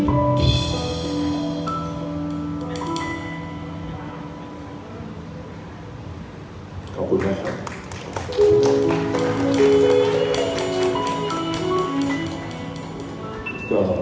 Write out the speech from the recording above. เพื่อเธอควรมีควรรู้ว่าเธอไม่มีผู้ใด